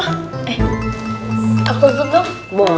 eh aku ikut dong